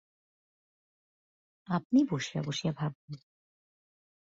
আপনি বসিয়া বসিয়া ভাবুন।